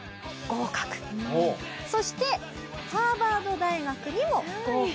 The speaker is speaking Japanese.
そしてハーバード大学にも合格。